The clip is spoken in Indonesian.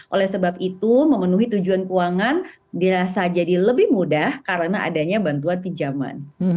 oleh sebab itu memenuhi tujuan keuangan dirasa jadi lebih mudah karena adanya bantuan pinjaman